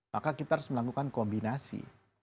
maka kita harus melakukan kombinasi